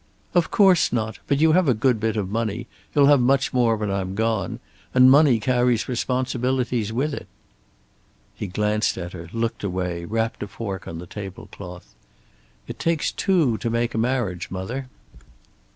"Of course not. But you have a good bit of money. You'll have much more when I'm gone. And money carries responsibility with it." He glanced at her, looked away, rapped a fork on the table cloth. "It takes two to make a marriage, mother."